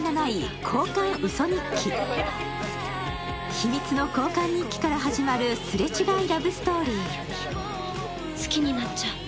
秘密の交換日記から始まるすれ違いラブストーリー。